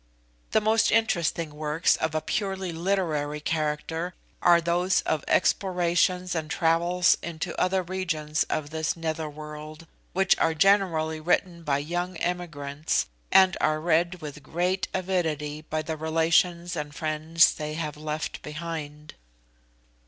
The most interesting works of a purely literary character are those of explorations and travels into other regions of this nether world, which are generally written by young emigrants, and are read with great avidity by the relations and friends they have left behind.